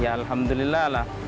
ya alhamdulillah lah